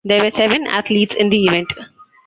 There were seven athletes in the event.